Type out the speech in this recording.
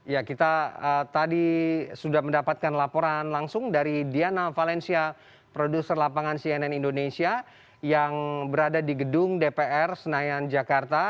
ya kita tadi sudah mendapatkan laporan langsung dari diana valencia produser lapangan cnn indonesia yang berada di gedung dpr senayan jakarta